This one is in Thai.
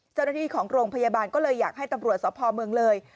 เจ้าหน้าที่ของโรงพยาบาลก็เลยอยากให้ตำรวจสพเมืองเลย